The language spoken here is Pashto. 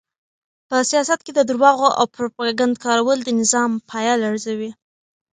په سیاست کې د درواغو او پروپاګند کارول د نظام پایه لړزوي.